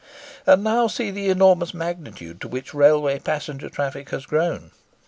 And now see the enormous magnitude to which railway passenger traffic has grown.